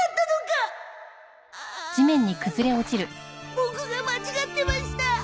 ボクが間違ってました。